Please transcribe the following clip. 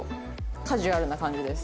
カジュアルな感じです